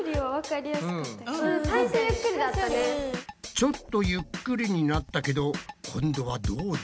ちょっとゆっくりになったけど今度はどうだ？